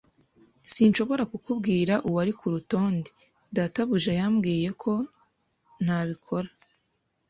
Sinshobora kukubwira uwari kurutonde. Databuja yambwiye ko ntabikora.